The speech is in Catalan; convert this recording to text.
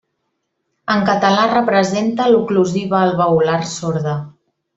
En català representa l'oclusiva alveolar sorda.